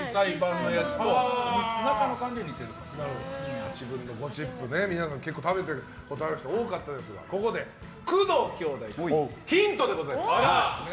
５／８チップ、皆さん結構食べてる人が多かったですがここで工藤兄弟からヒントでございます。